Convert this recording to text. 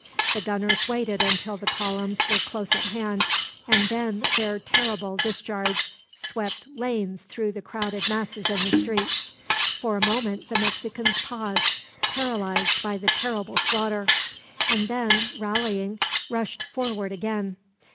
The gunners waited until the columns were close at hand, and then their terrible discharge swept lanes through the crowded masses in the streets. For a moment the Mexicans paused, paralyzed by the terrible slaughter; and then, rallying, rushed forward again.